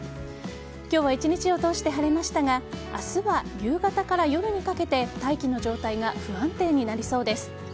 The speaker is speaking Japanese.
今日は一日を通して晴れましたが明日は夕方から夜にかけて大気の状態が不安定になりそうです。